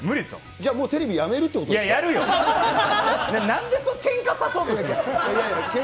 じゃあもうテレビやめるっていうことですか？